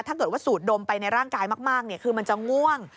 ถ้าเกิดว่าสูดดมไปในร่างกายมากคือมันจะง่วง